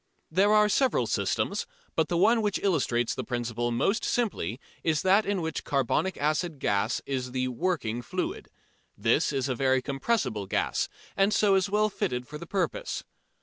There are several systems, but the one which illustrates the principle most simply is that in which carbonic acid gas is the "working fluid." This is a very compressible gas, and so is well fitted for the purpose.